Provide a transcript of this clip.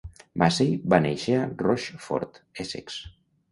Macey va néixer a Rochford, Essex.